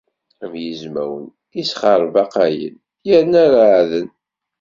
Am yizmawen isxerbaqayen yerna ṛeɛɛden.